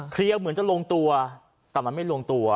เคลียร์เหมือนจะลงตัวแต่มันไม่ลงตัว